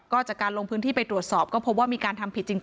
ก็จากการลงพื้นที่ไปตรวจสอบก็พบว่ามีการทำผิดจริง